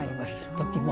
時も。